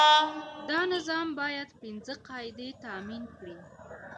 دا نظام باید پنځه قاعدې تامین کړي.